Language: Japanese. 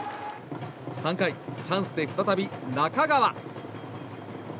３回、チャンスで再び中川。